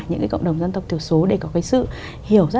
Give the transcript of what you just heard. những cái cộng đồng dân tộc thiểu số để có cái sự